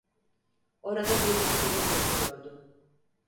Orada bir iskelet yatıyordu.